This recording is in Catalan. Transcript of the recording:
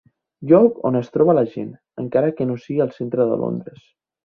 Lloc on es troba la gent, encara que no sigui al centre de Londres.